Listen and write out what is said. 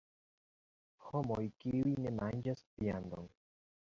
Homoj, kiuj ne manĝas viandon.